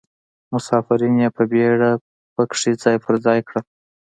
مسافرین یې په بیړه په کې ځای پر ځای کړل.